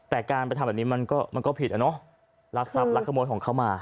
แต่การไปทำแบบนี้มันก็มันก็ผิดอะเนาะรักทรัพย์รักขโมยของเขามา